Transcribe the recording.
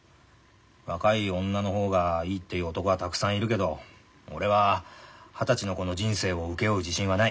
若い女の方がいいっていう男はたくさんいるけど俺は二十歳の子の人生を請け負う自信はない。